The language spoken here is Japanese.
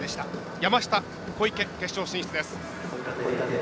山下、小池決勝進出です。